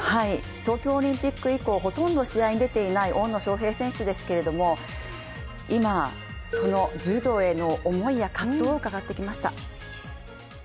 東京オリンピック以降、ほとんど試合に出ていない大野将平選手ですけれども今、その柔道への思いや葛藤を伺ってきました。